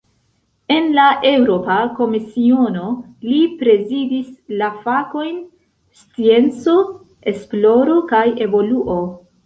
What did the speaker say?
En la Eŭropa Komisiono, li prezidis la fakojn "scienco, esploro kaj evoluo".